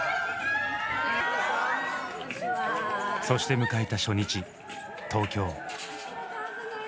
そして迎えた初日東京。